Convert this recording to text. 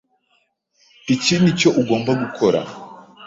Iki nicyo ugomba gukora.